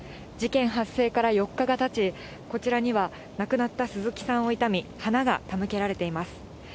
事件発生から４日がたち、こちらには、亡くなった鈴木さんを悼み、花が手向けられています。